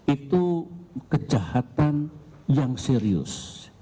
itu kejahatan yang serius